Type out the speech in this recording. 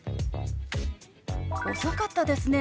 遅かったですね。